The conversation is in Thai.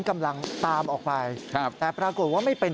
คุณภูริพัฒน์บุญนิน